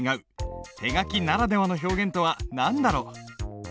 手書きならではの表現とは何だろう？